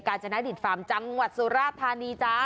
กาจนาดิตฟาร์มจังหวัดสุราษฎร์ภาณีจ้า